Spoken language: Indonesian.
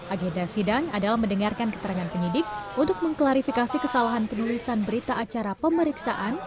agenda sidang adalah mendengarkan keterangan penyidik untuk mengklarifikasi kesalahan penulisan berita acara pemeriksaan